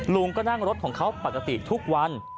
ลุงก็นั่งรถของเขาปกติทุกวัน